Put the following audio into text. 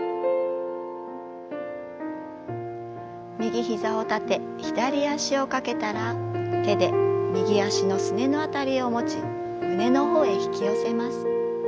右ひざを立て左脚をかけたら手で右脚のすねの辺りを持ち胸の方へ引き寄せます。